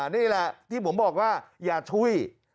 นี่แหละที่ผมบอกว่าอย่าช่วย